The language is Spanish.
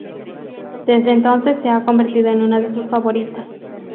Desde entonces se ha convertido en una de sus favoritas.